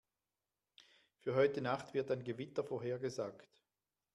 Für heute Nacht wird ein Gewitter vorhergesagt.